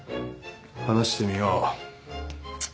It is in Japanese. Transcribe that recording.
話してみよう。